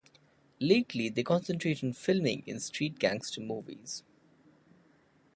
Lately they concentrate on filming in Street Gangster Movies.